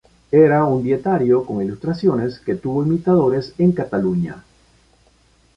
Era un dietario con ilustraciones que tuvo imitadores en Cataluña.